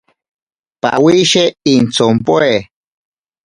Pawishe intsompoe.